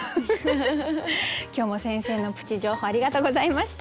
今日も先生のプチ情報ありがとうございました。